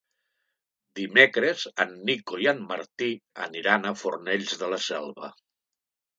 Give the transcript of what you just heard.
Dimecres en Nico i en Martí aniran a Fornells de la Selva.